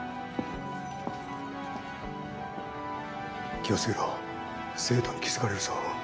気を付けろ生徒に気付かれるぞ。